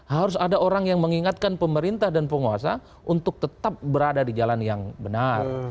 harus ada orang yang mengingatkan pemerintah dan penguasa untuk tetap berada di jalan yang benar